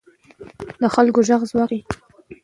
د خلکو غږ ځواک لري